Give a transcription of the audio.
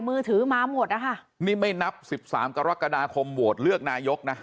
มือถือมาหมดนะคะนี่ไม่นับสิบสามกรกฎาคมโหวตเลือกนายกนะ